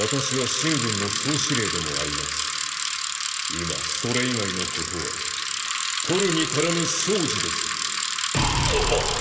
今それ以外のことは取るに足らぬ小事です。！